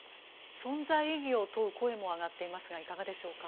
存在意義を問う声も上がっていますがいかがでしょうか？